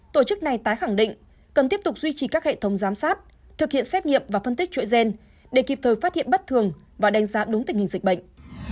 tổ chức này tái khẳng định cần tiếp tục duy trì các hệ thống giám sát thực hiện xét nghiệm và phân tích chuỗi gen để kịp thời phát hiện bất thường và đánh giá đúng tình hình dịch bệnh